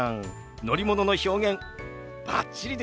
乗り物の表現バッチリですよ！